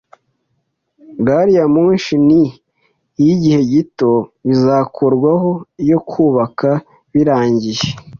Gariyamoshi ni iyigihe gito. Bizakurwaho iyo kubaka birangiye.